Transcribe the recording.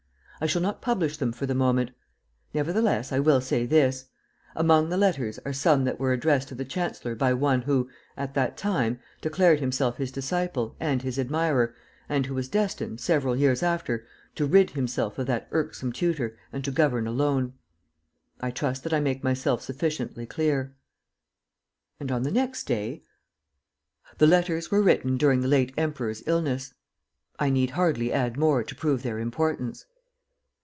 I shall not publish them for the moment. Nevertheless, I will say this: among the letters are some that were addressed to the chancellor by one who, at that time, declared himself his disciple and his admirer and who was destined, several years after, to rid himself of that irksome tutor and to govern alone. "I trust that I make myself sufficiently clear." And, on the next day: "The letters were written during the late Emperor's illness. I need hardly add more to prove their importance."